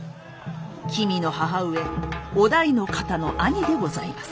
君の母上於大の方の兄でございます。